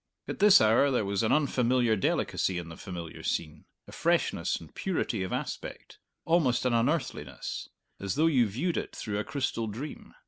At this hour there was an unfamiliar delicacy in the familiar scene, a freshness and purity of aspect almost an unearthliness as though you viewed it through a crystal dream.